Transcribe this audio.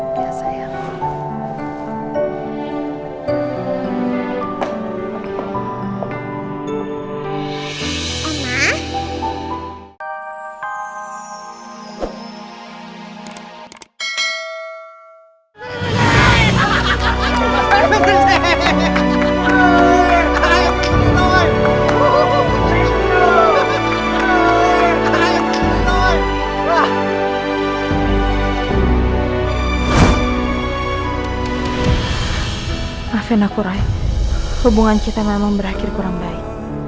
maafin aku ray hubungan kita memang berakhir kurang baik